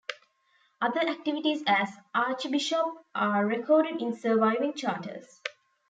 Other activities as archbishop are recorded in surviving charters.